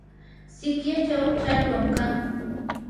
sikyachaw challwam kan.